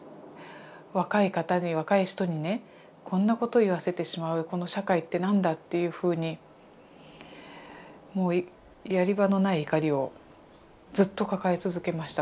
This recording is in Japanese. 若い方に若い人にねこんなことを言わせてしまうこの社会って何だ？っていうふうにもうやり場のない怒りをずっと抱え続けました。